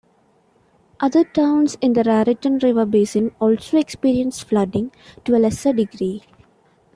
Other towns in the Raritan River basin also experience flooding to a lesser degree.